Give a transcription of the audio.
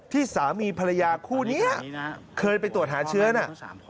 สามีภรรยาคู่นี้เคยไปตรวจหาเชื้อน่ะ